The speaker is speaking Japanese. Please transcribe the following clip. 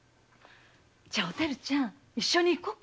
じゃおてるちゃん一緒に行こうか？